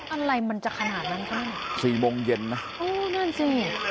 อะไรมันจะขนาดนั้นค่ะสี่โมงเย็นนะโอ้นั่นสิ